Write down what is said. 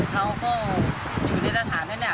เขาก็อยู่ในรัฐฐานด้วย